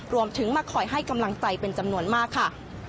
มาคอยให้กำลังใจเป็นจำนวนมากค่ะ